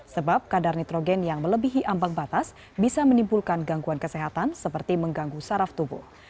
sebab kadar nitrogen yang melebihi ambang batas bisa menimbulkan gangguan kesehatan seperti mengganggu saraf tubuh